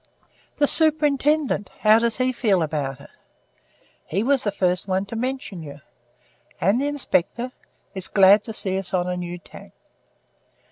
"The Superintendent how does he feel about it?" "He was the first one to mention you." "And the Inspector?" "Is glad to see us on a new tack."